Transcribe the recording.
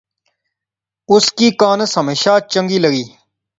اس کی کانس ہمیشہ چنگی لغی